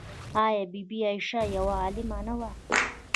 آیا بی بي عایشه یوه عالمه نه وه؟